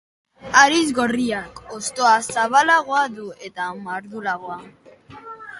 Haritz gorriak hostoa zabalagoa du eta mardulagoa.